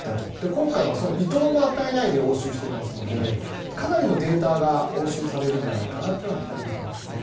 今回はその暇も与えないで押収していますのでかなりのデータが押収されるんじゃないかなとは期待できますね。